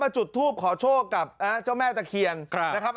จุดทูปขอโชคกับเจ้าแม่ตะเคียนนะครับ